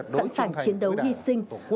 sẵn sàng chiến đấu hy sinh